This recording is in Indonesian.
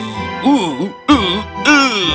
uh uh uh